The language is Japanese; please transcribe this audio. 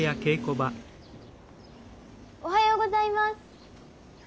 おはようございます。